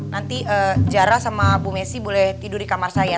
nanti jara sama bu messi boleh tidur di kamar saya